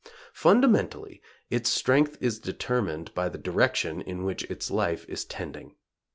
Fundamentally its strength is determined by the direction in which its life is tending.